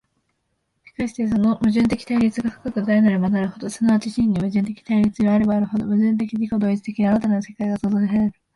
しかしてその矛盾的対立が深く大なればなるほど、即ち真に矛盾的対立であればあるほど、矛盾的自己同一的に新たなる世界が創造せられる。